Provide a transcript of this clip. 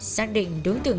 xác định đối tượng